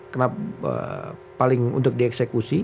kenapa paling untuk dieksekusi